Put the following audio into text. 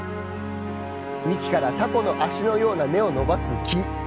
幹からタコの足のような根を伸ばす木。